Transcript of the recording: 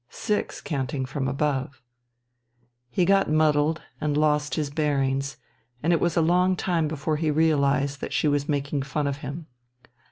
Six, counting from above." He got muddled and lost his bearings and it was a long time before he realized that she was making fun of him.